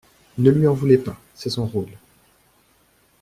Ne lui en voulez pas, c’est son rôle.